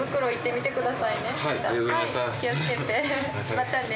またね。